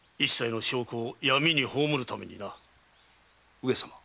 上様。